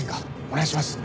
お願いします！